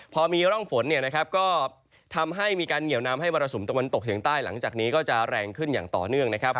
พอมีร่องฝนก็ทำให้มีการเหนียวนำให้มรสุมตะวันตกเฉียงใต้หลังจากนี้ก็จะแรงขึ้นอย่างต่อเนื่องนะครับ